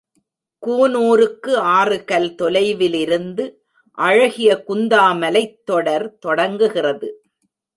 கூனூருக்கு ஆறு கல் தொலைவிலிருந்து அழகிய குந்தா மலைத்தொடர் தொடங்குகிறது.